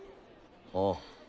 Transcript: ああ。